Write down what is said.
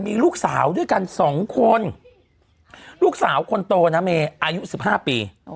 มีลูกสาวด้วยกัน๒คนลูกสาวคนโตนะเมย์อายุ๑๕ปี